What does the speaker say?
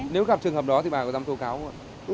nếu gặp trường hợp đó thì bà có dám tố cáo không ạ